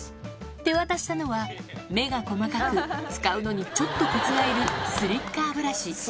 手渡したのは目が細かく、使うのにちょっとこつがいるスリッカーブラシ。